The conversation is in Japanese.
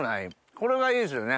これがいいですよね